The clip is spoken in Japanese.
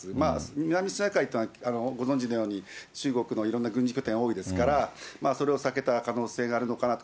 南シナ海っていうのは、ご存じのように中国のいろんな軍事拠点多いですから、それを避けた可能性があるのかなと。